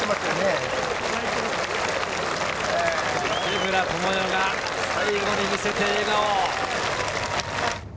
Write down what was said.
池村寛世が最後に見せて、笑顔。